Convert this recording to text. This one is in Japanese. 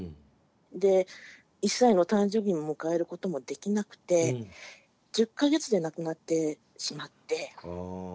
で１歳の誕生日も迎えることもできなくて１０か月で亡くなってしまって。